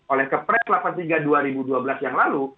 oleh kepres delapan puluh tiga dua ribu dua belas yang lalu